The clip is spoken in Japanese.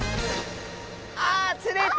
あ釣れた！